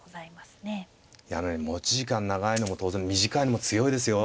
いやねえ持ち時間長いのも当然短いのも強いですよ。